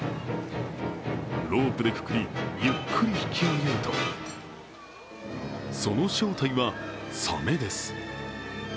ロープでくくり、ゆっくり引きあげるとその正体はサメです。